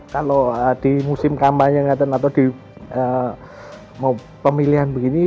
kalau di musim kampanye atau di pemilihan begini